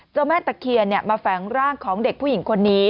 แม่ตะเคียนมาแฝงร่างของเด็กผู้หญิงคนนี้